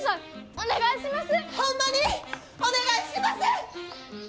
お願いします！